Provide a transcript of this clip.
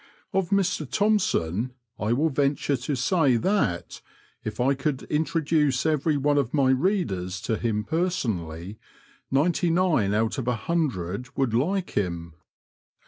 Of Mr Thompson I will venture to say that if I could introduce every one of my readers to him personally, ninety nine out of a hundred would like him.